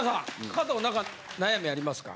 加藤何か悩みありますか？